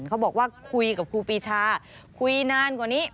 เขาบอกว่าคุยกับครูปีชาคุยนานกว่านี้